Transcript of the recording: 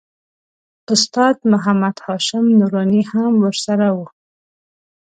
استاد محمد هاشم نوراني هم ورسره و.